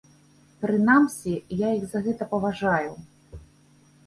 Прынамсі, я іх за гэта паважаю.